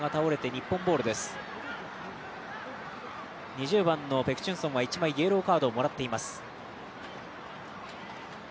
２０番のペク・チュンソンは１枚イエローカードをもらっています。